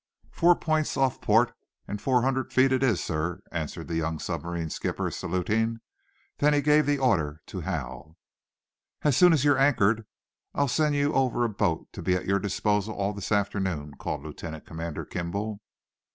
"Four points off port and four hundred feet it is, sir," answered the young submarine skipper, saluting. Then he gave the order to Hal. "As soon as you're anchored, I'll send you over a boat to be at your disposal this afternoon," called Lieutenant Commander Kimball.